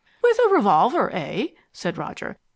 "With a revolver, eh?" said Roger.